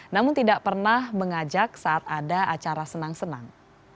namun tidak pernah mengajak saat ada acara senang senang